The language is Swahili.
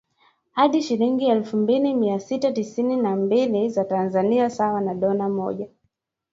hadi shilingi elfu mbili mia sita tisini na mbili za Tanzania sawa na dola moja